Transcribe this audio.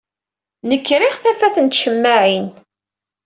Nekk riɣ tafat n tcemmaɛin.